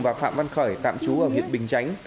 và phạm văn khởi tạm trú ở huyện bình chánh